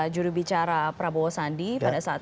juru bicara prabowo sandi pada saat